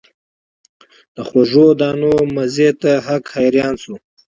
د خوږو دانو مزې ته هک حیران سو